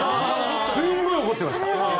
すごい怒っていました。